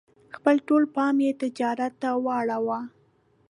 خپل ټول پام یې تجارت ته واړاوه.